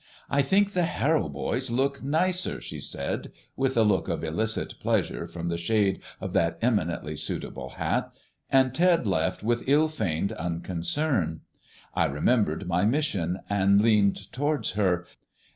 "I think the Harrow boys look nicer," she said, with a look of illicit pleasure from the shade of that eminently suitable hat; and Ted left with ill feigned unconcern. I remembered my mission, and leaned towards her.